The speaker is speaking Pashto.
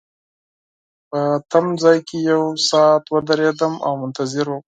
په تمځای کي یو ساعت ودریدم او منتظر وم.